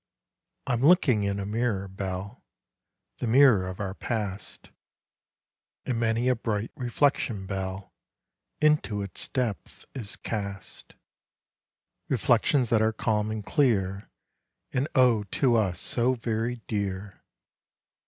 I'm looking in a mirror, Belle, The mirror of our past; And many a bright reflection, Belle, Into its depth is cast; Reflections that are calm and clear, And O! to us so very dear.